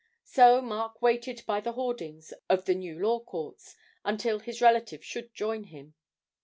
So Mark waited by the hoardings of the New Law Courts, until his relative should join him.